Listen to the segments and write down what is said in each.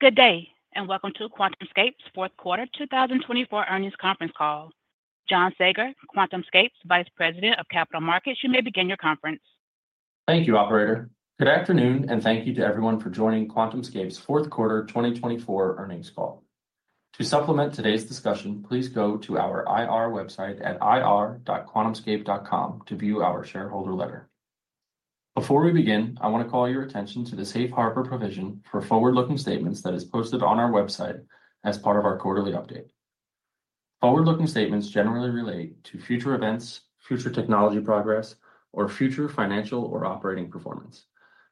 Good day and welcome to QuantumScape's Fourth Quarter 2024 Earnings Conference Call. John Saager, QuantumScape's Vice President of Capital Markets, you may begin your conference. Thank you, Operator. Good afternoon and thank you to everyone for joining QuantumScape's Fourth Quarter 2024 Earnings Call. To supplement today's discussion, please go to our IR website at ir.quantumscape.com to view our shareholder letter. Before we begin, I want to call your attention to the Safe Harbor provision for forward-looking statements that is posted on our website as part of our quarterly update. Forward-looking statements generally relate to future events, future technology progress, or future financial or operating performance.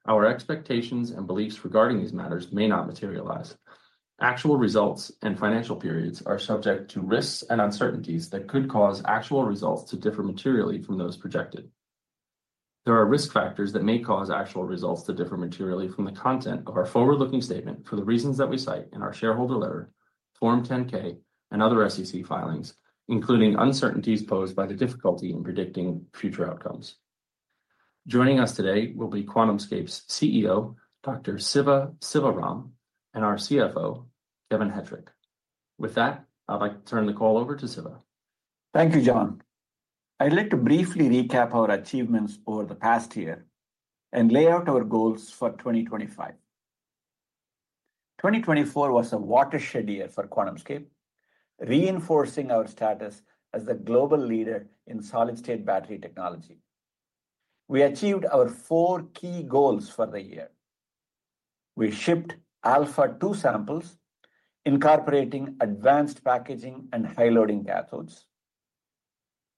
Our expectations and beliefs regarding these matters may not materialize. Actual results and financial periods are subject to risks and uncertainties that could cause actual results to differ materially from those projected. There are risk factors that may cause actual results to differ materially from the content of our forward-looking statement for the reasons that we cite in our shareholder letter, Form 10-K, and other SEC filings, including uncertainties posed by the difficulty in predicting future outcomes. Joining us today will be QuantumScape's CEO, Dr. Siva Sivaram, and our CFO, Kevin Hettrich. With that, I'd like to turn the call over to Siva. Thank you, John. I'd like to briefly recap our achievements over the past year and lay out our goals for 2025. 2024 was a watershed year for QuantumScape, reinforcing our status as the global leader in solid-state battery technology. We achieved our four key goals for the year. We shipped Alpha-2 samples, incorporating advanced packaging and high-loading cathodes.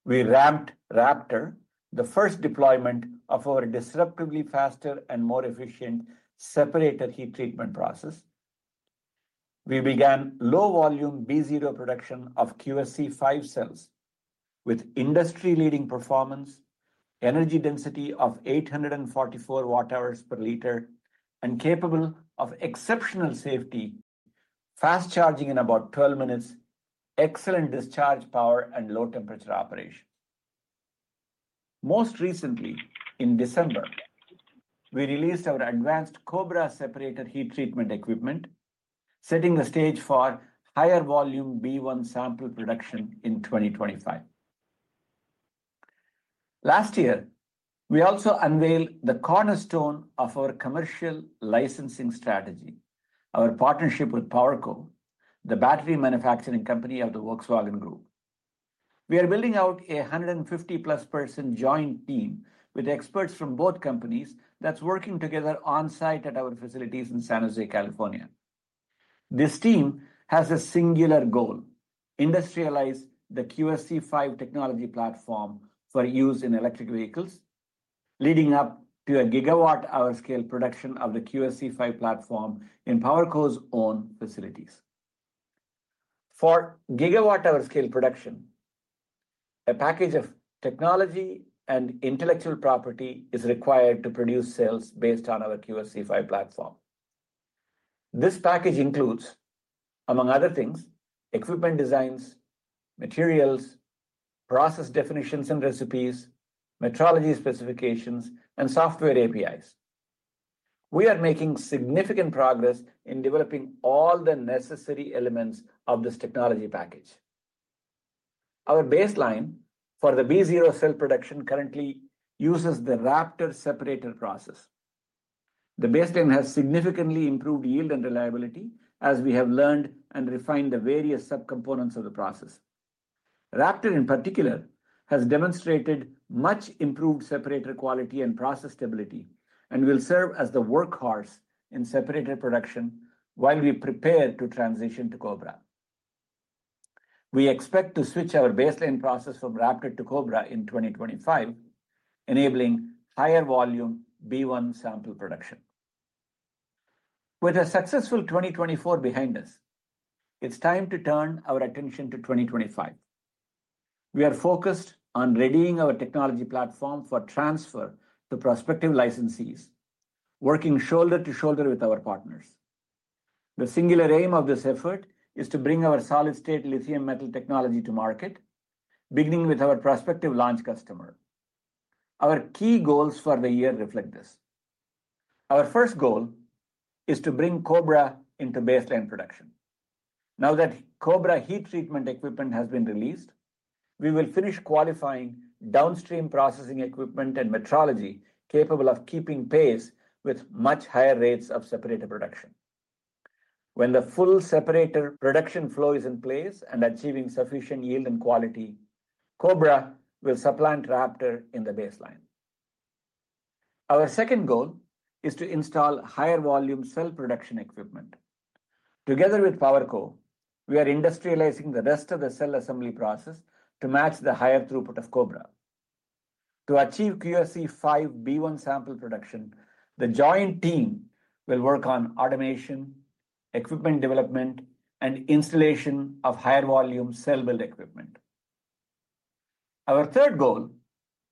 We ramped Raptor, the first deployment of our disruptively faster and more efficient separator heat treatment process. We began low-volume B0 production of QSE-5 cells with industry-leading performance, energy density of 844 Wh per liter, and capable of exceptional safety, fast charging in about 12 minutes, excellent discharge power, and low-temperature operation. Most recently, in December, we released our advanced Cobra separator heat treatment equipment, setting the stage for higher-volume B1 sample production in 2025. Last year, we also unveiled the cornerstone of our commercial licensing strategy, our partnership with PowerCo, the battery manufacturing company of the Volkswagen Group. We are building out a 150+ person joint team with experts from both companies that's working together on-site at our facilities in San Jose, California. This team has a singular goal: industrialize the QSE-5 technology platform for use in electric vehicles, leading up to a gigawatt-hour scale production of the QSE-5 platform in PowerCo's own facilities. For gigawatt-hour scale production, a package of technology and intellectual property is required to produce cells based on our QSE-5 platform. This package includes, among other things, equipment designs, materials, process definitions and recipes, metrology specifications, and software APIs. We are making significant progress in developing all the necessary elements of this technology package. Our baseline for the B0 cell production currently uses the Raptor separator process. The baseline has significantly improved yield and reliability as we have learned and refined the various subcomponents of the process. Raptor, in particular, has demonstrated much improved separator quality and process stability and will serve as the workhorse in separator production while we prepare to transition to Cobra. We expect to switch our baseline process from Raptor to Cobra in 2025, enabling higher-volume B1 sample production. With a successful 2024 behind us, it's time to turn our attention to 2025. We are focused on readying our technology platform for transfer to prospective licensees, working shoulder to shoulder with our partners. The singular aim of this effort is to bring our solid-state lithium metal technology to market, beginning with our prospective launch customer. Our key goals for the year reflect this. Our first goal is to bring Cobra into baseline production. Now that Cobra heat treatment equipment has been released, we will finish qualifying downstream processing equipment and metrology capable of keeping pace with much higher rates of separator production. When the full separator production flow is in place and achieving sufficient yield and quality, Cobra will supplant Raptor in the baseline. Our second goal is to install higher-volume cell production equipment. Together with PowerCo, we are industrializing the rest of the cell assembly process to match the higher throughput of Cobra. To achieve QSE-5 B1 sample production, the joint team will work on automation, equipment development, and installation of higher-volume cell build equipment. Our third goal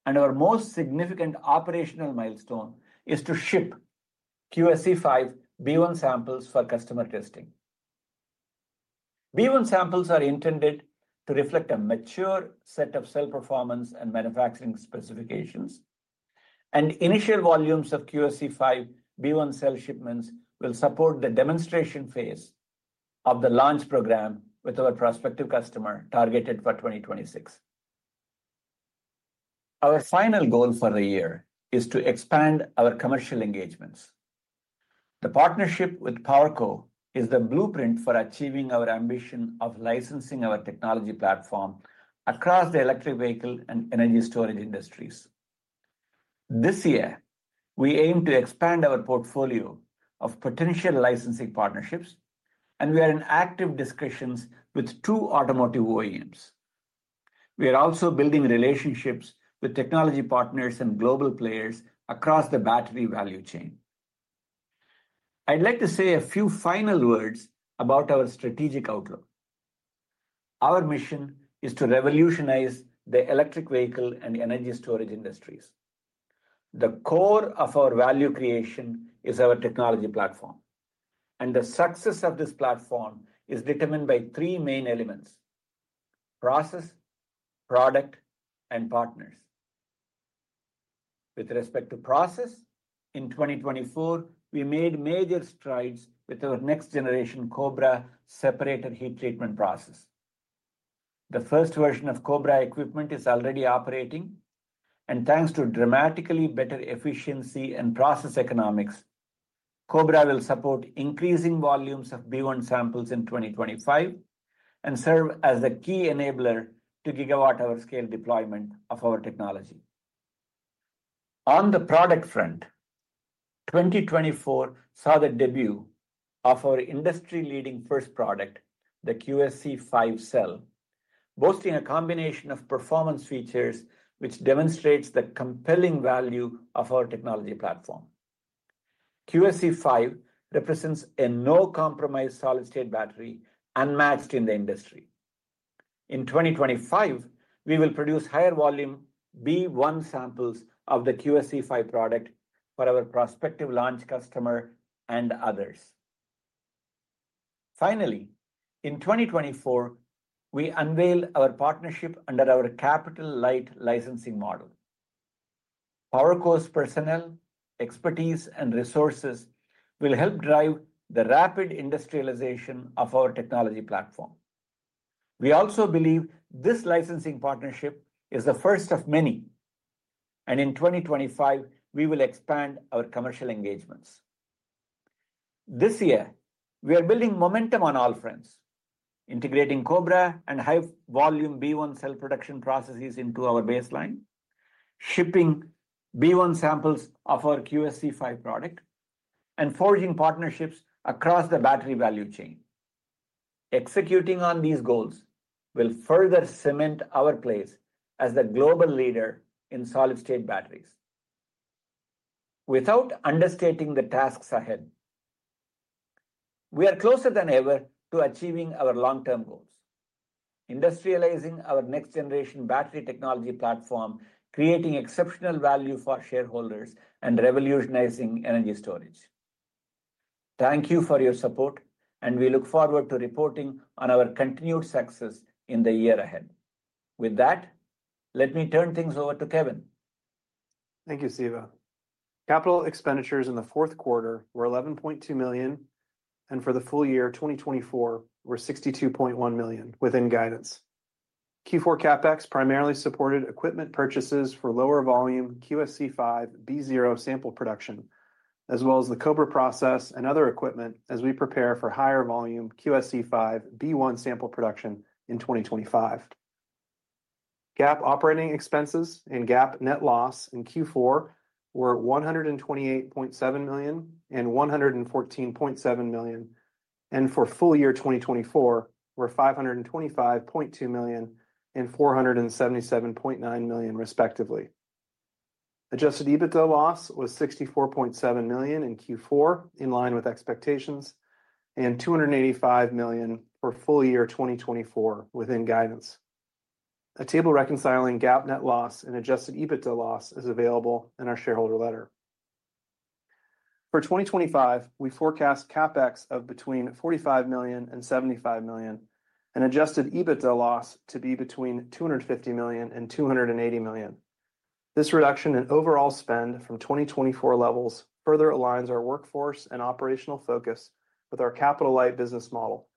and our most significant operational milestone is to ship QSE-5 B1 samples for customer testing. B1 samples are intended to reflect a mature set of cell performance and manufacturing specifications, and initial volumes of QSE-5 B1 cell shipments will support the demonstration phase of the launch program with our prospective customer targeted for 2026. Our final goal for the year is to expand our commercial engagements. The partnership with PowerCo is the blueprint for achieving our ambition of licensing our technology platform across the electric vehicle and energy storage industries. This year, we aim to expand our portfolio of potential licensing partnerships, and we are in active discussions with two automotive OEMs. We are also building relationships with technology partners and global players across the battery value chain. I'd like to say a few final words about our strategic outlook. Our mission is to revolutionize the electric vehicle and energy storage industries. The core of our value creation is our technology platform, and the success of this platform is determined by three main elements: process, product, and partners. With respect to process, in 2024, we made major strides with our next-generation Cobra separator heat treatment process. The first version of Cobra equipment is already operating, and thanks to dramatically better efficiency and process economics, Cobra will support increasing volumes of B1 samples in 2025 and serve as a key enabler to gigawatt-hour scale deployment of our technology. On the product front, 2024 saw the debut of our industry-leading first product, the QSE-5 cell, boasting a combination of performance features which demonstrates the compelling value of our technology platform. QSE-5 represents a no-compromise solid-state battery unmatched in the industry. In 2025, we will produce higher-volume B1 samples of the QSE-5 product for our prospective launch customer and others. Finally, in 2024, we unveil our partnership under our capital-light licensing model. PowerCo's personnel, expertise, and resources will help drive the rapid industrialization of our technology platform. We also believe this licensing partnership is the first of many, and in 2025, we will expand our commercial engagements. This year, we are building momentum on all fronts, integrating Cobra and high-volume B1 cell production processes into our baseline, shipping B1 samples of our QSE-5 product, and forging partnerships across the battery value chain. Executing on these goals will further cement our place as the global leader in solid-state batteries. Without understating the tasks ahead, we are closer than ever to achieving our long-term goals: industrializing our next-generation battery technology platform, creating exceptional value for shareholders, and revolutionizing energy storage. Thank you for your support, and we look forward to reporting on our continued success in the year ahead. With that, let me turn things over to Kevin. Thank you, Siva. Capital expenditures in the fourth quarter were $11.2 million, and for the full year, 2024, were $62.1 million within guidance. Q4 CapEx primarily supported equipment purchases for lower-volume QSE-5 B0 sample production, as well as the Cobra process and other equipment as we prepare for higher-volume QSE-5 B1 sample production in 2025. GAAP operating expenses and GAAP net loss in Q4 were $128.7 million and $114.7 million, and for full year 2024, were $525.2 million and $477.9 million, respectively. Adjusted EBITDA loss was $64.7 million in Q4, in line with expectations, and $285 million for full year 2024 within guidance. A table reconciling GAAP net loss and adjusted EBITDA loss is available in our shareholder letter. For 2025, we forecast CapEx of between $45 million and $75 million, and adjusted EBITDA loss to be between $250 million and $280 million. This reduction in overall spend from 2024 levels further aligns our workforce and operational focus with our capital-light business model,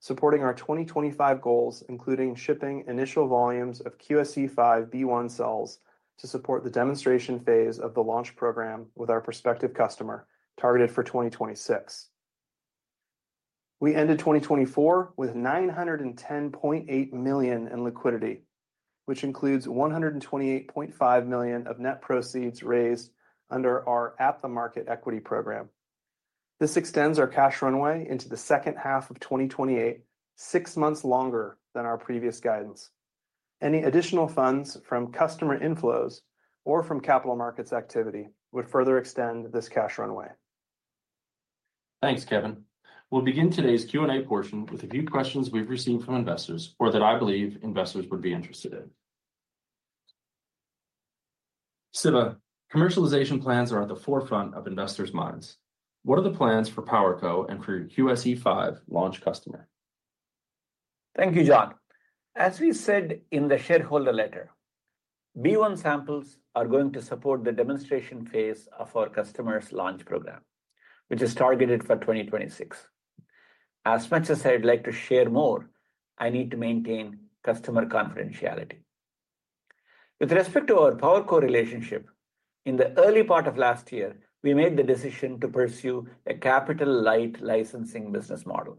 supporting our 2025 goals, including shipping initial volumes of QSE-5 B1 cells to support the demonstration phase of the launch program with our prospective customer targeted for 2026. We ended 2024 with $910.8 million in liquidity, which includes $128.5 million of net proceeds raised under our At-the-Market Equity program. This extends our cash runway into the second half of 2028, six months longer than our previous guidance. Any additional funds from customer inflows or from capital markets activity would further extend this cash runway. Thanks, Kevin. We'll begin today's Q&A portion with a few questions we've received from investors or that I believe investors would be interested in. Siva, commercialization plans are at the forefront of investors' minds. What are the plans for PowerCo and for your QSE-5 launch customer? Thank you, John. As we said in the shareholder letter, B1 samples are going to support the demonstration phase of our customer's launch program, which is targeted for 2026. As much as I'd like to share more, I need to maintain customer confidentiality. With respect to our PowerCo relationship, in the early part of last year, we made the decision to pursue a capital-light licensing business model.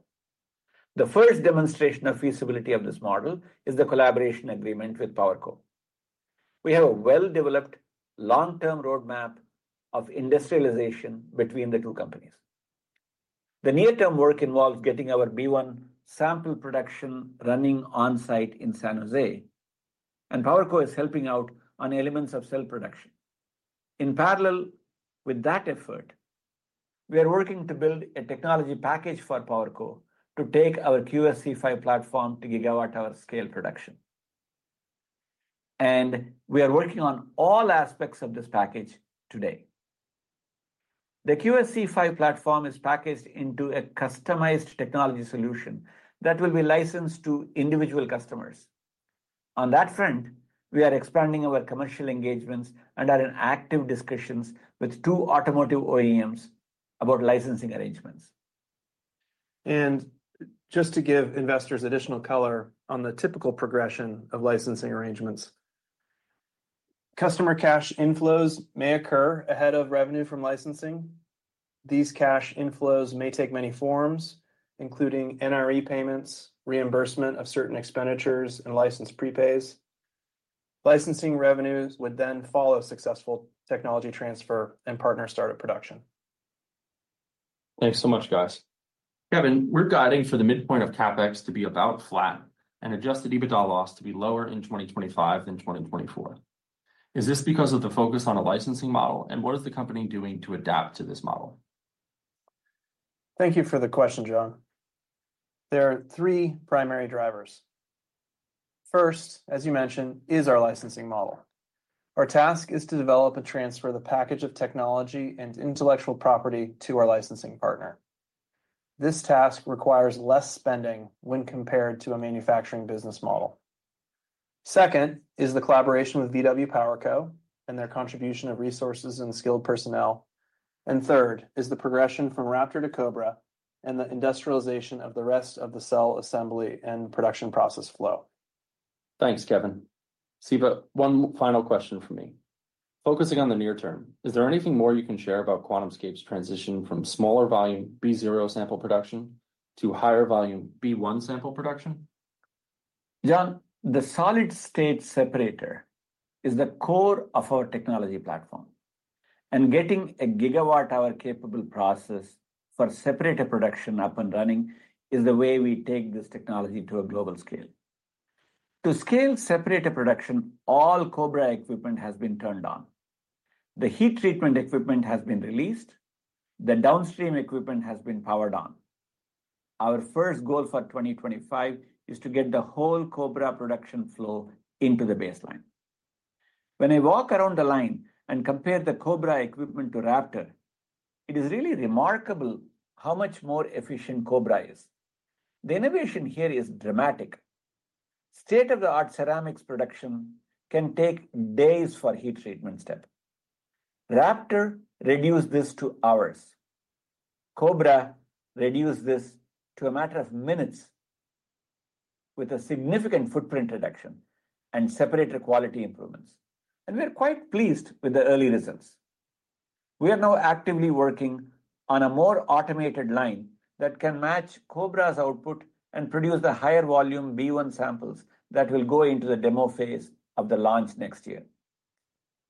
The first demonstration of feasibility of this model is the collaboration agreement with PowerCo. We have a well-developed long-term roadmap of industrialization between the two companies. The near-term work involves getting our B1 sample production running on-site in San Jose, and PowerCo is helping out on elements of cell production. In parallel with that effort, we are working to build a technology package for PowerCo to take our QSE-5 platform to gigawatt-hour scale production. We are working on all aspects of this package today. The QSE-5 platform is packaged into a customized technology solution that will be licensed to individual customers. On that front, we are expanding our commercial engagements and are in active discussions with two automotive OEMs about licensing arrangements. Just to give investors additional color on the typical progression of licensing arrangements, customer cash inflows may occur ahead of revenue from licensing. These cash inflows may take many forms, including NRE payments, reimbursement of certain expenditures, and license prepays. Licensing revenues would then follow successful technology transfer and partner start of production. Thanks so much, guys. Kevin, we're guiding for the midpoint of CapEx to be about flat and Adjusted EBITDA loss to be lower in 2025 than 2024. Is this because of the focus on a licensing model, and what is the company doing to adapt to this model? Thank you for the question, John. There are three primary drivers. First, as you mentioned, is our licensing model. Our task is to develop and transfer the package of technology and intellectual property to our licensing partner. This task requires less spending when compared to a manufacturing business model. Second is the collaboration with VW PowerCo and their contribution of resources and skilled personnel. And third is the progression from Raptor to Cobra and the industrialization of the rest of the cell assembly and production process flow. Thanks, Kevin. Siva, one final question from me. Focusing on the near term, is there anything more you can share about QuantumScape's transition from smaller-volume B0 sample production to higher-volume B1 sample production? John, the solid-state separator is the core of our technology platform, and getting a gigawatt-hour capable process for separator production up and running is the way we take this technology to a global scale. To scale separator production, all Cobra equipment has been turned on. The heat treatment equipment has been released. The downstream equipment has been powered on. Our first goal for 2025 is to get the whole Cobra production flow into the baseline. When I walk around the line and compare the Cobra equipment to Raptor, it is really remarkable how much more efficient Cobra is. The innovation here is dramatic. State-of-the-art ceramics production can take days for a heat treatment step. Raptor reduced this to hours. Cobra reduced this to a matter of minutes with a significant footprint reduction and separator quality improvements, and we are quite pleased with the early results. We are now actively working on a more automated line that can match Cobra's output and produce the higher-volume B1 samples that will go into the demo phase of the launch next year.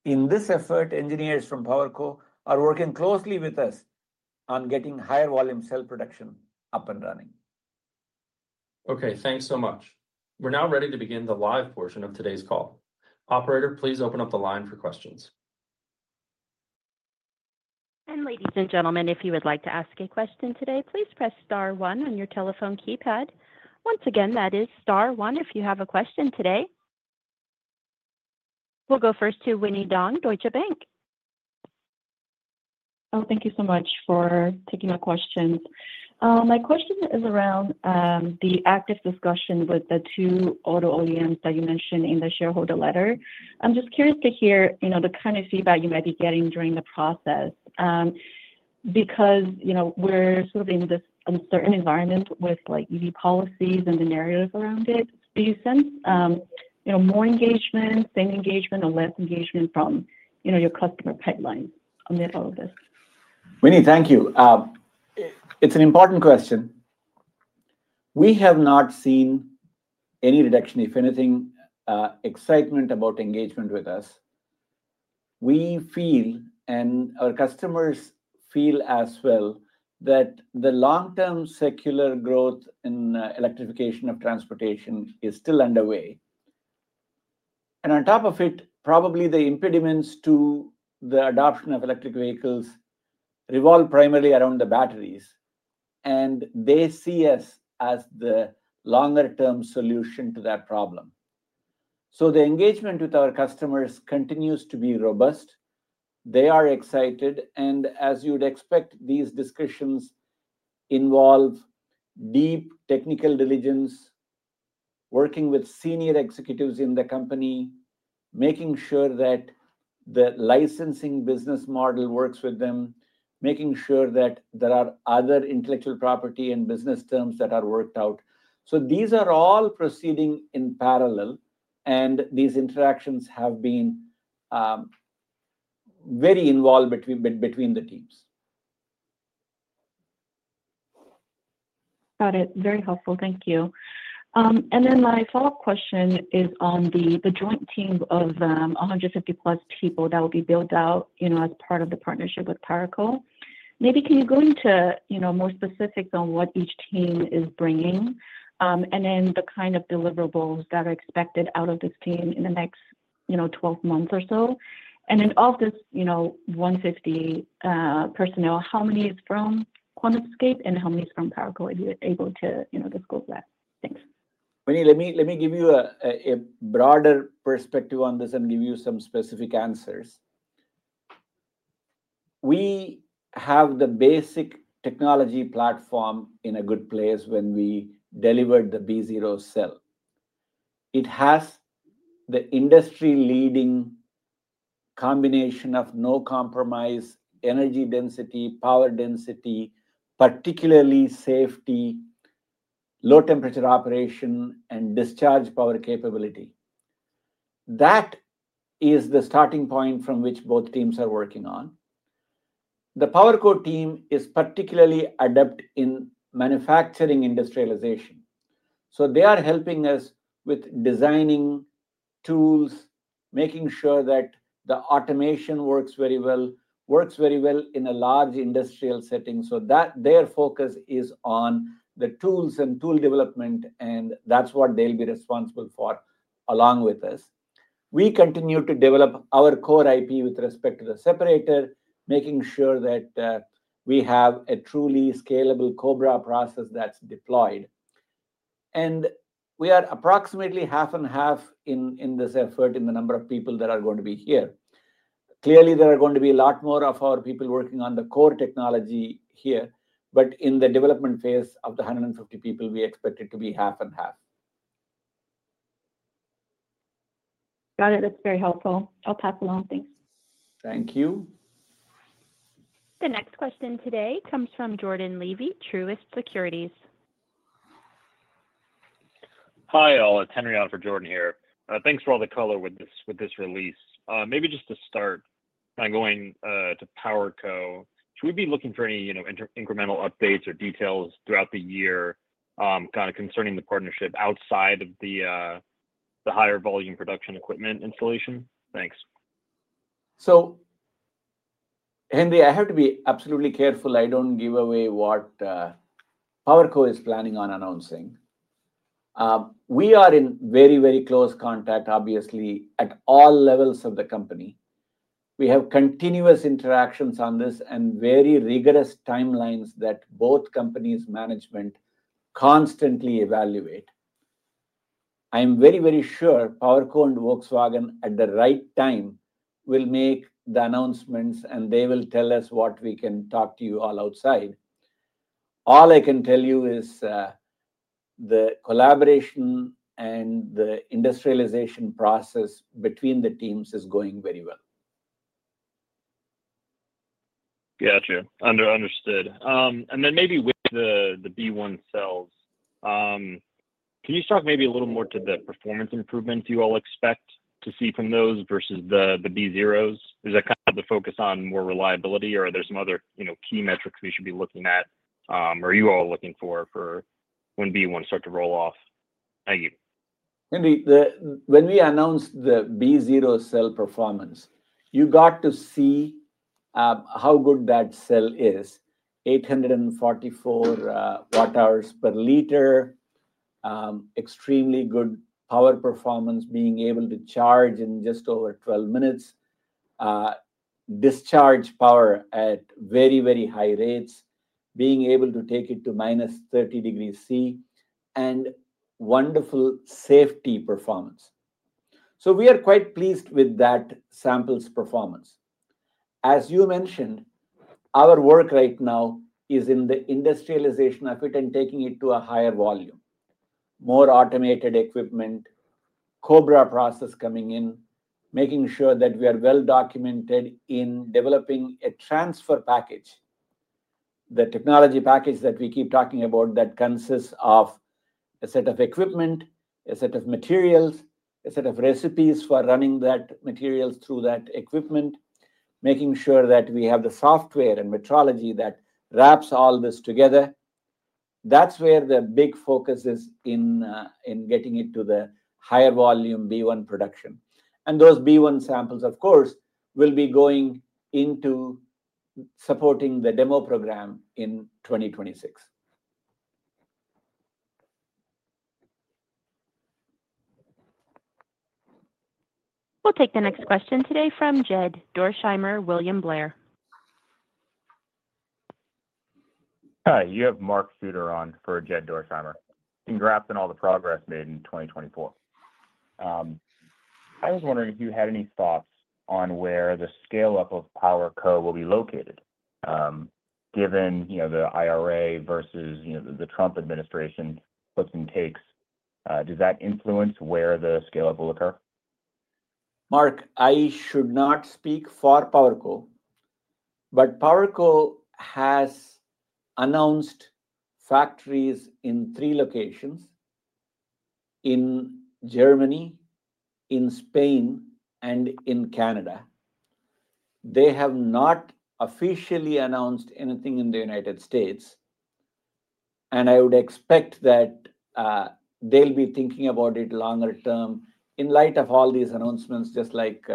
In this effort, engineers from PowerCo are working closely with us on getting higher-volume cell production up and running. Okay, thanks so much. We're now ready to begin the live portion of today's call. Operator, please open up the line for questions. Ladies and gentlemen, if you would like to ask a question today, please press Star one on your telephone keypad. Once again, that is Star one if you have a question today. We'll go first to Winnie Dong, Deutsche Bank. Oh, thank you so much for taking my questions. My question is around the active discussion with the two auto OEMs that you mentioned in the shareholder letter. I'm just curious to hear the kind of feedback you might be getting during the process because we're sort of in this uncertain environment with EV policies and the narrative around it. Do you sense more engagement, same engagement, or less engagement from your customer pipeline amid all of this? Winnie, thank you. It's an important question. We have not seen any reduction, if anything, excitement about engagement with us. We feel, and our customers feel as well, that the long-term secular growth in electrification of transportation is still underway, and on top of it, probably the impediments to the adoption of electric vehicles revolve primarily around the batteries, and they see us as the longer-term solution to that problem, so the engagement with our customers continues to be robust. They are excited, and as you'd expect, these discussions involve deep technical diligence, working with senior executives in the company, making sure that the licensing business model works with them, making sure that there are other intellectual property and business terms that are worked out, so these are all proceeding in parallel, and these interactions have been very involved between the teams. Got it. Very helpful. Thank you. And then my follow-up question is on the joint team of 150-plus people that will be built out as part of the partnership with PowerCo. Maybe can you go into more specifics on what each team is bringing and then the kind of deliverables that are expected out of this team in the next 12 months or so? And then of this 150 personnel, how many is from QuantumScape and how many is from PowerCo if you're able to disclose that? Thanks. Winnie, let me give you a broader perspective on this and give you some specific answers. We have the basic technology platform in a good place when we delivered the B0 cell. It has the industry-leading combination of no compromise, energy density, power density, particularly safety, low-temperature operation, and discharge power capability. That is the Starting point from which both teams are working on. The PowerCo team is particularly adept in manufacturing industrialization. So they are helping us with designing tools, making sure that the automation works very well, works very well in a large industrial setting. So their focus is on the tools and tool development, and that's what they'll be responsible for along with us. We continue to develop our core IP with respect to the separator, making sure that we have a truly scalable Cobra process that's deployed. We are approximately half and half in this effort in the number of people that are going to be here. Clearly, there are going to be a lot more of our people working on the core technology here, but in the development phase of the 150 people, we expect it to be half and half. Got it. That's very helpful. I'll pass along. Thanks. Thank you. The next question today comes from Jordan Levy, Truist Securities. Hi, all. It's Henry Alford for Jordan here. Thanks for all the color with this release. Maybe just to Start by going to PowerCo, should we be looking for any incremental updates or details throughout the year kind of concerning the partnership outside of the higher-volume production equipment installation? Thanks. So, Henry, I have to be absolutely careful I don't give away what PowerCo is planning on announcing. We are in very, very close contact, obviously, at all levels of the company. We have continuous interactions on this and very rigorous timelines that both companies' management constantly evaluate. I'm very, very sure PowerCo and Volkswagen, at the right time, will make the announcements, and they will tell us what we can talk to you all outside. All I can tell you is the collaboration and the industrialization process between the teams is going very well. Gotcha. Understood. And then maybe with the B1 cells, can you talk maybe a little more to the performance improvements you all expect to see from those versus the B0s? Is that kind of the focus on more reliability, or are there some other key metrics we should be looking at or you all looking for when B1 starts to roll off? Thank you. Henry, when we announced the B0 cell performance, you got to see how good that cell is: 844 Wh per liter, extremely good power performance, being able to charge in just over 12 minutes, discharge power at very, very high rates, being able to take it to -30 degrees Celsius, and wonderful safety performance. So we are quite pleased with that sample's performance. As you mentioned, our work right now is in the industrialization effort and taking it to a higher volume, more automated equipment, Cobra process coming in, making sure that we are well documented in developing a transfer package, the technology package that we keep talking about that consists of a set of equipment, a set of materials, a set of recipes for running that material through that equipment, making sure that we have the software and metrology that wraps all this together. That's where the big focus is in getting it to the higher volume B1 production. And those B1 samples, of course, will be going into supporting the demo program in 2026. We'll take the next question today from Jed Dorschheimer, William Blair. Hi. You have Mark Fuderer on for Jed Dorschheimer. Congrats on all the progress made in 2024. I was wondering if you had any thoughts on where the scale-up of PowerCo will be located given the IRA versus the Trump administration's tax hikes and tax cuts. Does that influence where the scale-up will occur? Mark, I should not speak for PowerCo, but PowerCo has announced factories in three locations: in Germany, in Spain, and in Canada. They have not officially announced anything in the United States, and I would expect that they'll be thinking about it longer term in light of all these announcements, just like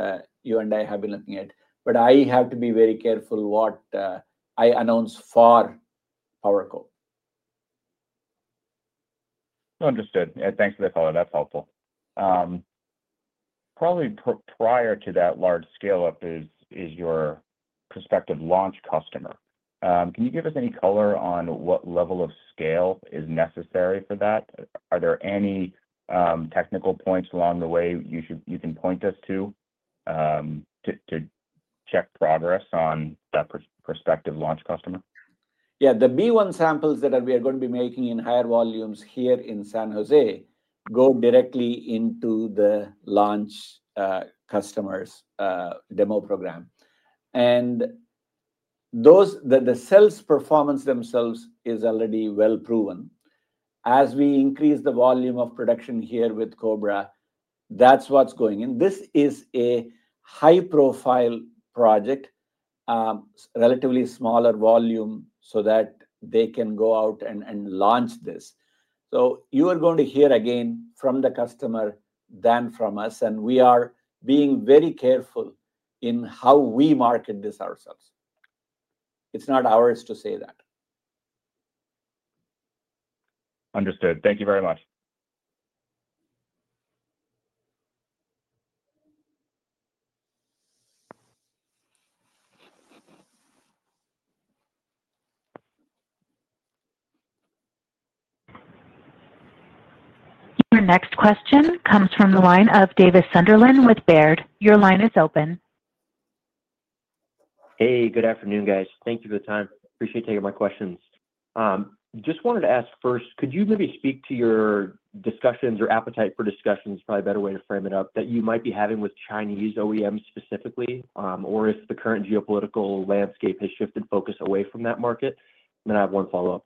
you and I have been looking at. But I have to be very careful what I announce for PowerCo. Understood. Thanks for the color. That's helpful. Probably prior to that large scale-up is your prospective launch customer. Can you give us any color on what level of scale is necessary for that? Are there any technical points along the way you can point us to check progress on that prospective launch customer? Yeah. The B1 samples that we are going to be making in higher volumes here in San Jose go directly into the launch customers' demo program. And the cell's performance themselves is already well proven. As we increase the volume of production here with Cobra, that's what's going in. This is a high-profile project, relatively smaller volume so that they can go out and launch this. So you are going to hear again from the customer than from us, and we are being very careful in how we market this ourselves. It's not ours to say that. Understood. Thank you very much. Your next question comes from the line of David Sunderland with Baird. Your line is open. Hey, good afternoon, guys. Thank you for the time. Appreciate taking my questions. Just wanted to ask first, could you maybe speak to your discussions or appetite for discussions, probably a better way to frame it up, that you might be having with Chinese OEMs specifically, or if the current geopolitical landscape has shifted focus away from that market? And then I have one follow-up.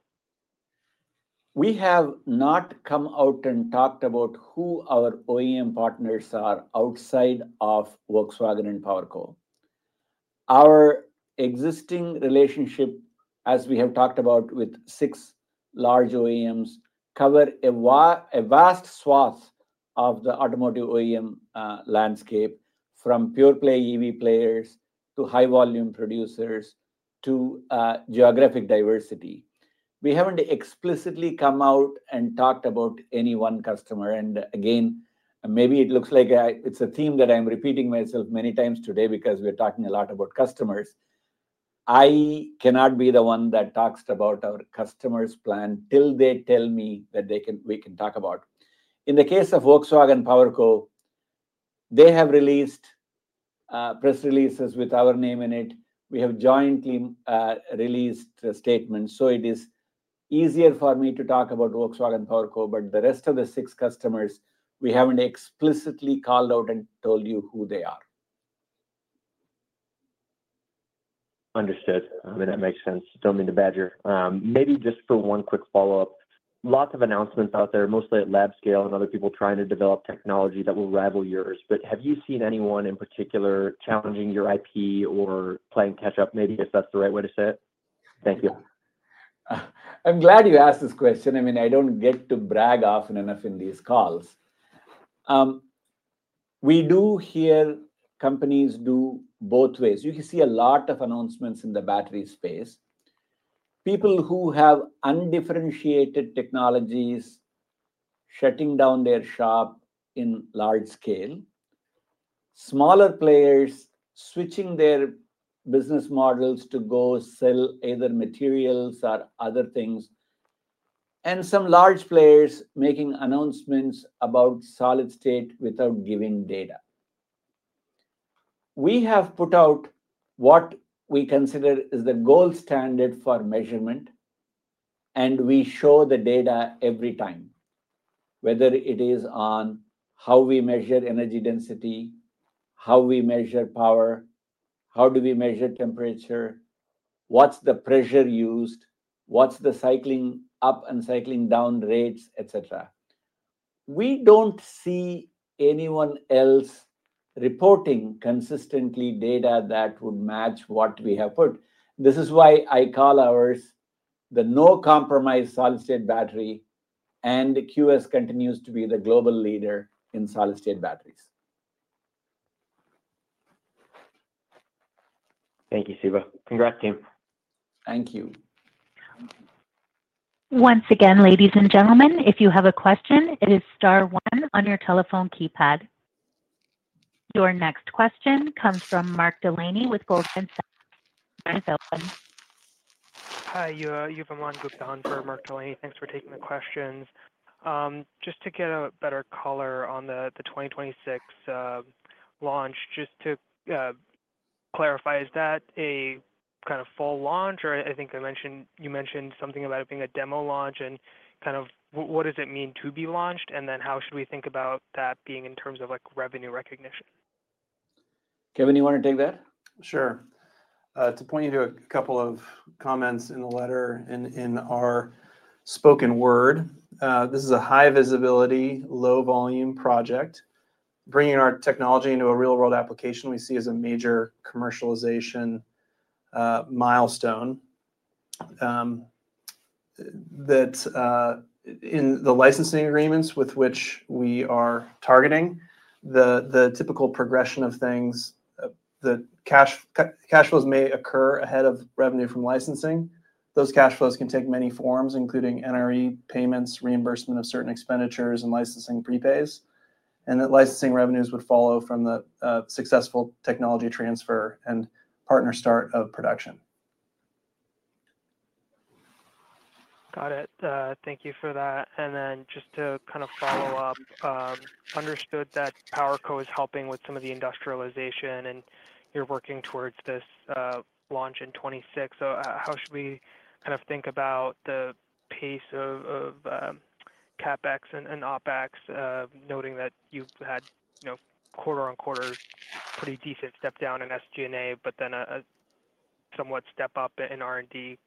We have not come out and talked about who our OEM partners are outside of Volkswagen and PowerCo. Our existing relationship, as we have talked about with six large OEMs, covers a vast swath of the automotive OEM landscape, from pure-play EV players to high-volume producers to geographic diversity. We haven't explicitly come out and talked about any one customer, and again, maybe it looks like it's a theme that I'm repeating myself many times today because we're talking a lot about customers. I cannot be the one that talks about our customers' plan till they tell me that we can talk about. In the case of Volkswagen and PowerCo, they have released press releases with our name in it. We have jointly released statements. So it is easier for me to talk about Volkswagen and PowerCo, but the rest of the six customers, we haven't explicitly called out and told you who they are. Understood. I mean, that makes sense. Don't mean to badger. Maybe just for one quick follow-up. Lots of announcements out there, mostly at lab scale and other people trying to develop technology that will rival yours. But have you seen anyone in particular challenging your IP or playing catch-up, maybe if that's the right way to say it? Thank you. I'm glad you asked this question. I mean, I don't get to brag often enough in these calls. We do hear companies do both ways. You can see a lot of announcements in the battery space. People who have undifferentiated technologies shutting down their shop on a large scale, smaller players switching their business models to go sell either materials or other things, and some large players making announcements about solid-state without giving data. We have put out what we consider is the gold standard for measurement, and we show the data every time, whether it is on how we measure energy density, how we measure power, how do we measure temperature, what's the pressure used, what's the cycling up and cycling down rates, etc. We don't see anyone else reporting consistent data that would match what we have put out. This is why I call ours the no compromise solid-state battery, and QS continues to be the global leader in solid-state batteries. Thank you, Siva. Congrats, team. Thank you. Once again, ladies and gentlemen, if you have a question, it is Star one on your telephone keypad. Your next question comes from Mark Delaney with Goldman Sachs. Hi, Siva. I'm Mark Delaney. Thanks for taking the questions. Just to get a better color on the 2026 launch, just to clarify, is that a kind of full launch? Or I think you mentioned something about it being a demo launch. And kind of what does it mean to be launched? And then how should we think about that being in terms of revenue recognition? Kevin, you want to take that? Sure. To point you to a couple of comments in the letter in our spoken word, this is a high-visibility, low-volume project. Bringing our technology into a real-world application we see as a major commercialization milestone. In the licensing agreements with which we are targeting, the typical progression of things, the cash flows may occur ahead of revenue from licensing. Those cash flows can take many forms, including NRE payments, reimbursement of certain expenditures, and licensing prepays. And that licensing revenues would follow from the successful technology transfer and partner Start of production. Got it. Thank you for that. And then just to kind of follow up, understood that PowerCo is helping with some of the industrialization, and you're working towards this launch in 2026. So how should we kind of think about the pace of CapEx and OpEx, noting that you've had quarter-on-quarter pretty decent step down in SG&A, but then a somewhat step up in R&D?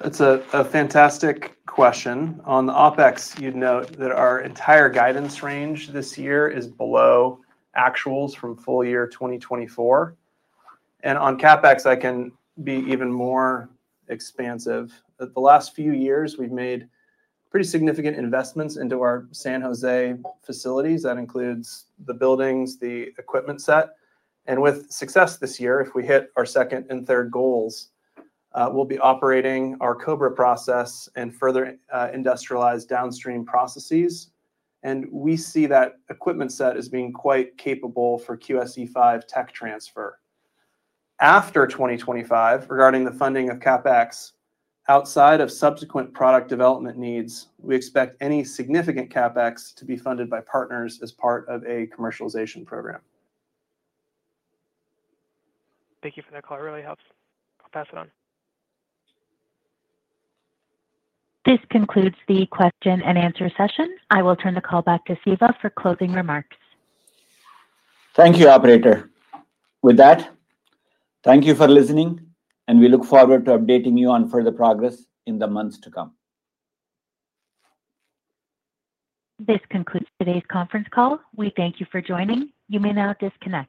That's a fantastic question. On the OpEx, you'd note that our entire guidance range this year is below actuals from full year 2024, and on CapEx, I can be even more expansive. The last few years, we've made pretty significant investments into our San Jose facilities. That includes the buildings, the equipment set, and with success this year, if we hit our second and third goals, we'll be operating our Cobra process and further industrialized downstream processes, and we see that equipment set as being quite capable for QSE-5 tech transfer. After 2025, regarding the funding of CapEx, outside of subsequent product development needs, we expect any significant CapEx to be funded by partners as part of a commercialization program. Thank you for that call. It really helps. I'll pass it on. This concludes the question and answer session. I will turn the call back to Siva for closing remarks. Thank you, operator. With that, thank you for listening, and we look forward to updating you on further progress in the months to come. This concludes today's conference call. We thank you for joining. You may now disconnect.